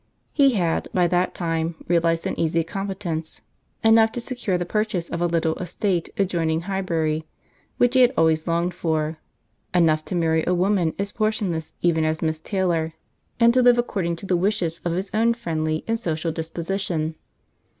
He had, by that time, realised an easy competence—enough to secure the purchase of a little estate adjoining Highbury, which he had always longed for—enough to marry a woman as portionless even as Miss Taylor, and to live according to the wishes of his own friendly and social disposition.